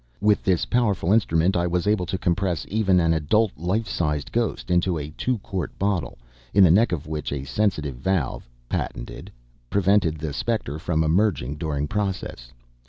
With this powerful instrument I was able to compress even an adult life sized ghost into a two quart bottle, in the neck of which a sensitive valve (patented) prevented the specter from emerging during process.